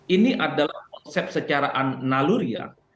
ini adalah konsep secara an naluriah